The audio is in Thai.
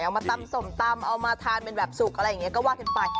เอามาตำส้มตำเอามาทานเป็นแบบสุกอะไรอย่างนี้ก็ว่ากันไป